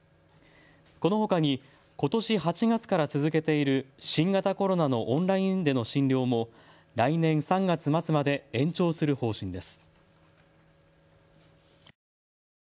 このほかにことし８月から続けている新型コロナのオンラインでの診療も来年３月末まで延長する方針です。